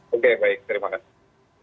oke baik terima kasih